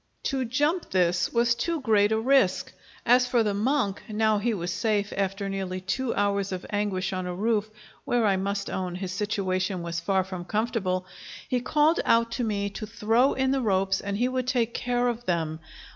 To jump this was too great a risk. As for the monk, now he was safe after nearly two hours of anguish on a roof, where, I must own, his situation was far from comfortable, he called out to me to throw in the ropes and he would take care of them.